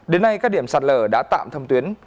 đến nay các điểm sạt lở đã tạm thông tuyến